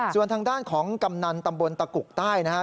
ส่วนทางด้านของกำนันตำบลตะกุกใต้นะครับ